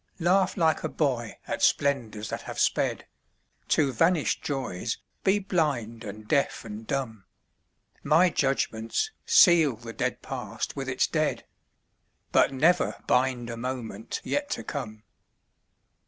Laugh like a boy at splendors that have sped, To vanished joys be blind and deaf and dumb; My judgments seal the dead past with its dead, But never bind a moment yet to come.